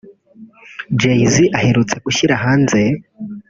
Jay-z aherutse gushyira hanze